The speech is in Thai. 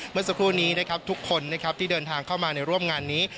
เมื่อสักครู่นี้นะครับทุกคนนะครับที่เดินทางเข้ามาในร่วมงานนี้